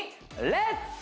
レッツ！